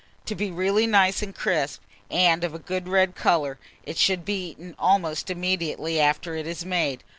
To be really nice and crisp, and of a good red colour, it should be eaten almost immediately after it is made.